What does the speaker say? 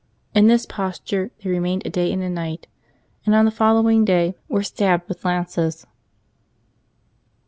In this posture they remained a day and a night, and on the following day were stabbed with lances.